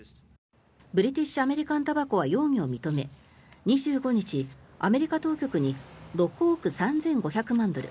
ブリティッシュ・アメリカン・タバコは容疑を認め２５日、アメリカ当局に６億３５００万ドル